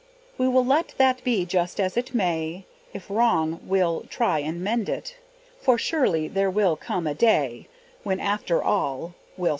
We will let that be just as it may, If wrong we'll try and mend it; For surely there will come a day When after awl we'll send it.